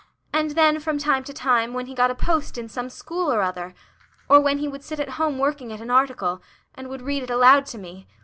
And then, from time, to time, when he got a post in some school or other. Or when he would sit at home working at an article and would read it aloud to me.